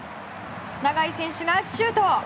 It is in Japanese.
永井選手がシュート！